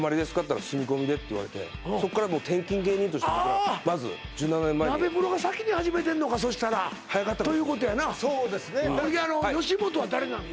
ったら住み込みでって言われてそこからもう転勤芸人として僕らまず１７年前にナベプロが先に始めてんのかそしたら早かったかもということやなあのよしもとは誰なの？